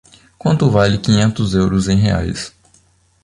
Quanto vale quinhentos euros em reais?